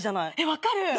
分かる。